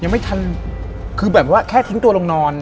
ยังไม่ทันคือแบบว่าแค่ทิ้งตัวลงนอน